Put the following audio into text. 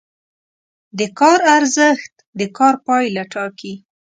د کار ارزښت د کار پایله ټاکي.